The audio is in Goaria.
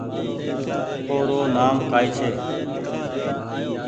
او رو نآم ڪآئي ڇي